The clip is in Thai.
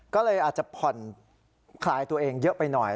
ก็เลยอาจจะผ่อนคลายตัวเองเยอะไปหน่อย